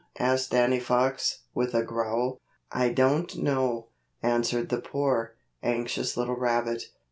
asked Danny Fox, with a growl. "I don't know," answered the poor, anxious little rabbit.